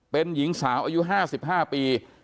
เป็นหญิงสาวอายุ๕๕ปี